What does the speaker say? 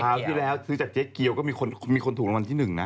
ที่แล้วซื้อจากเจ๊เกียวก็มีคนถูกรางวัลที่๑นะ